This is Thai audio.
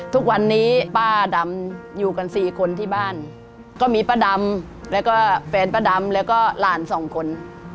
ทุกวันนี้ป้าดำอยู่กันสี่คนที่บ้านก็มีป้าดำแล้วก็แฟนป้าดำแล้วก็หลานสองคน